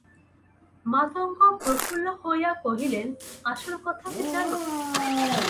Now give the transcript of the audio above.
মাতঙ্গ প্রফুল্ল হইয়া কহিল, আসল কথা কী জান?